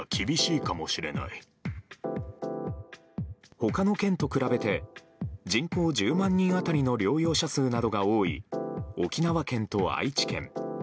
他の県と比べて人口１０万人当たりの療養者数などが多い沖縄県と愛知県。